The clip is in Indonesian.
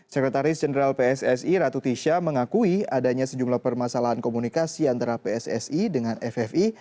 sekretaris jenderal pssi ratu tisha mengakui adanya sejumlah permasalahan komunikasi antara pssi dengan ffi